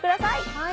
はい。